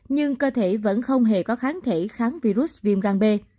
nhưng cơ thể vẫn không hề có kháng thể kháng virus viêm gan b